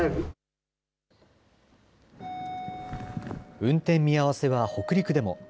運転見合わせは北陸でも。